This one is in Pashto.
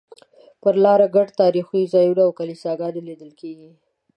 پر لاره ګڼ تاریخي ځایونه او کلیساګانې لیدل کېدې.